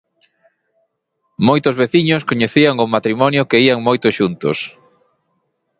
Moitos veciños coñecían ao matrimonio que ían moito xuntos.